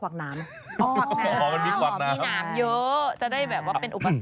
มันมีควากน้ำ